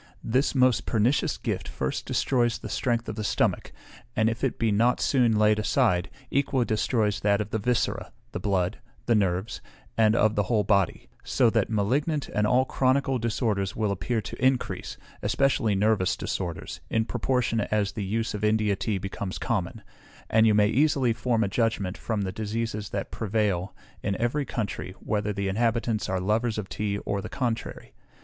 This most pernicious gift first destroys the strength of the stomach, and if it be not soon laid aside, equally destroys that of the viscera, the blood, the nerves, and of the whole body; so that malignant and all chronical disorders will appear to increase, especially nervous disorders, in proportion as the use of India tea becomes common; and you may easily form a judgment, from the diseases that prevail in every country, whether the inhabitants are lovers of tea or the contrary.